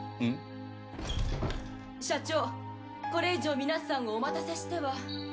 社長これ以上皆さんをお待たせしては。